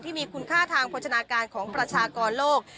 ที่มีคุณค่าทางโภชนาการของประชากรโลก